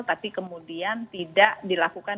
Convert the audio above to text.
tapi kemudian tidak dilakukan